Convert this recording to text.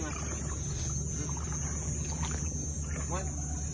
มั้ยมั้ยเร็วร้อน